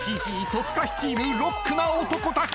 戸塚率いるロックな男たち］